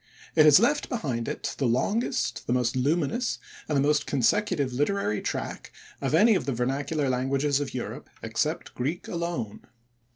It has left behind it the longest, the most luminous, and the most consecutive literary track of any of the vernacular languages of Europe, except Greek alone.